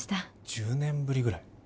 １０年ぶりぐらい？